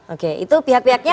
oke itu pihak pihaknya